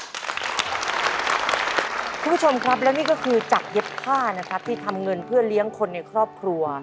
คุณผู้ชมครับและนี่ก็คือจากเย็บผ้านะครับที่ทำเงินเพื่อเลี้ยงคนในครอบครัว